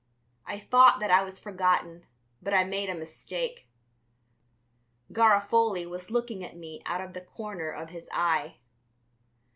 I thought that I was forgotten, but I made a mistake; Garofoli was looking at me out of the corner of his eye.